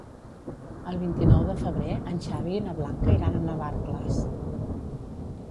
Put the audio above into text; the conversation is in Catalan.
El vint-i-nou de febrer en Xavi i na Blanca iran a Navarcles.